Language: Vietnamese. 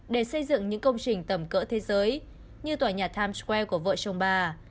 để xây dựng những công trình tầm cỡ thế giới như tòa nhà times square của vợ chồng bà